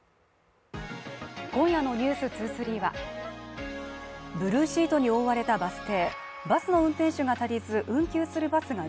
今夜の「ｎｅｗｓ２３」はブルーシートに覆われたバス停。